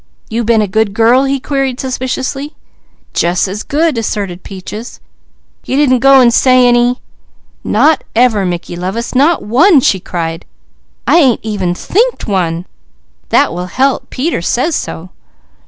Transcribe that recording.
"You been a good girl?" he queried suspiciously. "Jus' as good!" asserted Peaches. "You didn't go and say any ?" "Not ever Mickey lovest! Not one!" she cried. "I ain't even thinked one! That will help, Peter says so!"